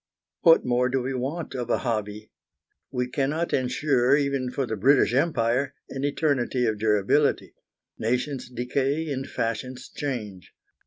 What more do we want of a hobby? We cannot ensure, even for the British Empire, an eternity of durability: nations decay and fashions change.